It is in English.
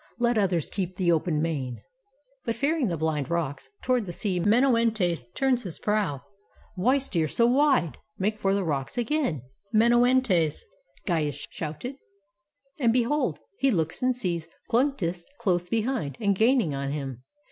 Let others keep The open main." But, fearing the blind rocks. Toward the sea Menoetes turns his prow. "Why steer so wide? Make for the rocks again, Menoetes!" Gyas shouted; and behold, He looks, and sees Cloanthus close behind And gaining on him.